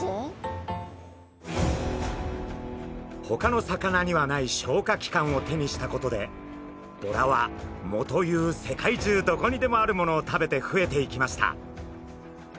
ほかの魚にはない消化器官を手にしたことでボラは藻という世界中どこにでもあるものを食べて増えていきました。